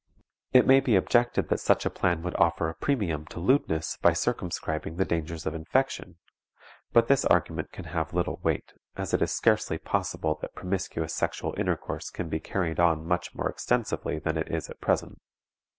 It may be objected that such a plan would offer a premium to lewdness by circumscribing the dangers of infection; but this argument can have little weight, as it is scarcely possible that promiscuous sexual intercourse can be carried on much more extensively than it is at present.